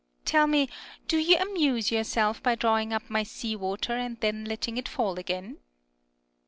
Tell me ; do you amuse yourself by drawing up my sea water, and then letting it fall again ? Moon.